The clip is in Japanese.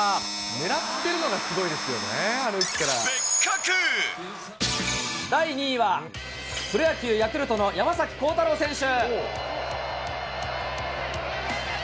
狙ってるのがすごいですよね、第２位は、プロ野球・ヤクルトの山崎こうたろう選手。